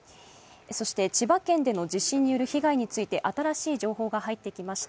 そして千葉県での地震による被害について新しい情報が入ってきました。